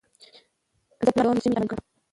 زه پلان جوړوم چې ژمنې عملي کړم.